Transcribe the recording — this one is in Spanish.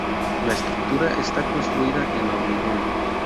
La estructura está construida en hormigón.